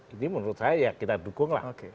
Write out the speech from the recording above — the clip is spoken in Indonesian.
ini menurut saya ya kita dukung lah